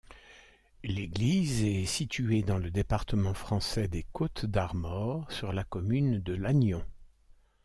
L'église est située dans le département français des Côtes-d'Armor, sur la commune de Lannion.